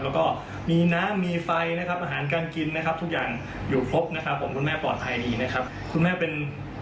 แล้วก็มีน้ำมีไฟนะครับอาหารการกินนะครับทุกอย่างอยู่ครบนะครับผมคุณแม่ปลอดภัยดีนะครับคุณแม่เป็น